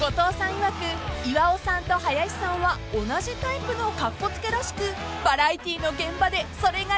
いわく岩尾さんと林さんは同じタイプのカッコつけらしくバラエティーの現場でそれがよく出るそうで］